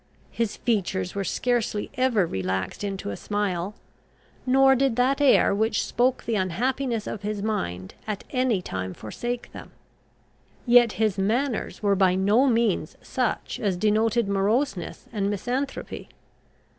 His features were scarcely ever relaxed into a smile, nor did that air which spoke the unhappiness of his mind at any time forsake them: yet his manners were by no means such as denoted moroseness and misanthropy.